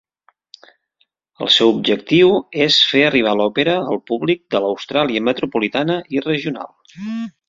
El seu objectiu és fer arribar l'òpera al públic de l'Austràlia metropolitana i regional.